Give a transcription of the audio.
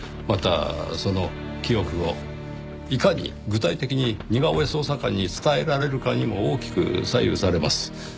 またその記憶をいかに具体的に似顔絵捜査官に伝えられるかにも大きく左右されます。